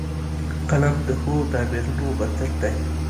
قلم د ښو تعبیرونو بنسټ دی